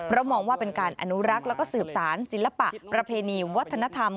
มองว่าเป็นการอนุรักษ์แล้วก็สืบสารศิลปะประเพณีวัฒนธรรม